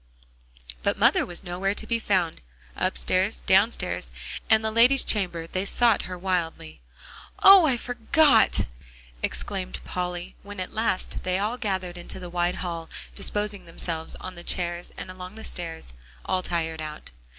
But mother was nowhere to be found. "Upstairs, downstairs, and in the lady's chamber," they sought her wildly. "Oh! I forgot," exclaimed Polly, when at last they gathered in the wide hall, disposing themselves on the chairs and along the stairs, all tired out.